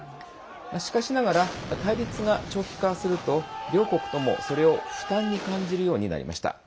しかしながら対立が長期化すると両国とも、それを負担に感じるようになりました。